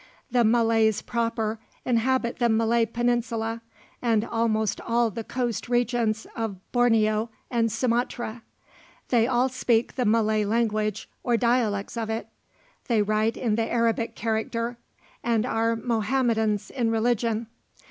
The Malays proper inhabit the Malay peninsula, and almost all the coast regions of Borneo and Sumatra. They all speak the Malay language, or dialects of it; they write in the Arabic character, and are Mahometans in religion.